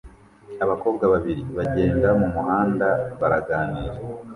Abakobwa babiri bagenda mumuhanda baraganira